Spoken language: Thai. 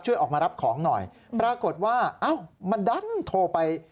ช่วยออกมารับของหน่อยปรากฏว่าเอ้ามันดันโทรไป